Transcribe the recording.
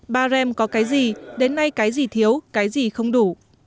bà rem có cái gì đến nay cái gì thiếu cái gì không đủ